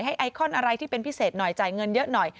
ไอคอนอะไรที่เป็นพิเศษหน่อยจ่ายเงินเยอะหน่อย